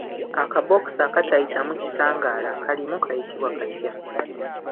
Akabokisi akatayitamu kitangaala akalimu kayitibwa katya?